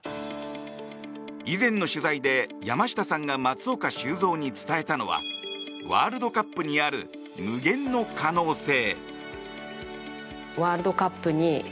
以前の取材で山下さんが松岡修造に伝えたのはワールドカップにある無限の可能性。